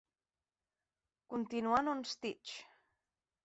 Continuant on Stitch!